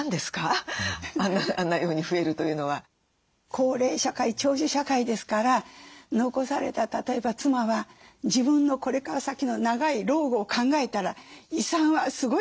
高齢社会長寿社会ですから残された例えば妻は自分のこれから先の長い老後を考えたら遺産はすごい大事ですよ。